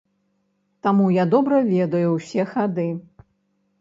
Таму я добра ведаю ўсе хады.